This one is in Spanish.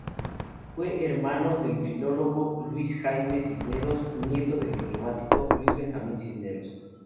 Fue hermano del filólogo Luis Jaime Cisneros y nieto del diplomático Luis Benjamín Cisneros.